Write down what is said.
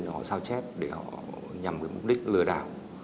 họ sao chép để nhằm mục đích lừa đảo